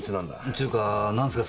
ちゅうか何すか？